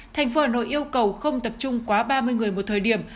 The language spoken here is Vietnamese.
tp hà nội yêu cầu không tập trung quá ba mươi người một thời điểm